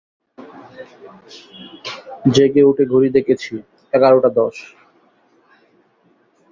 জেগে উঠে ঘড়ি দেখেছি, এগারটা দশ।